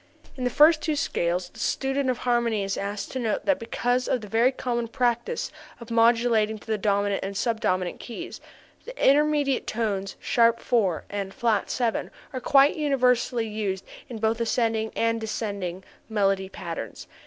In the first two scales the student of harmony is asked to note that because of the very common practice of modulating to the dominant and sub dominant keys, the intermediate tones [sharp]4 and [flat]7 are quite universally used in both ascending and descending melody passages.